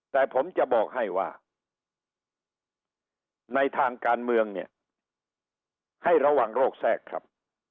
แต่ผมจะบอกให้ว่าในทางการเมืองเนี่ยให้ระวังโรคแทรกครับ